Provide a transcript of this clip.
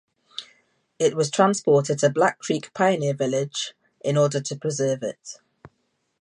It was transported to Black Creek Pioneer Village in order to preserve it.